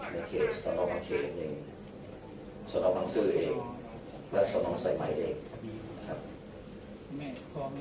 ในเคสสนองบังเคยเองสนองบังซื้อเองและสนองไสมัยเอง